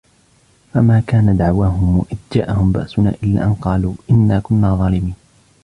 فما كان دعواهم إذ جاءهم بأسنا إلا أن قالوا إنا كنا ظالمين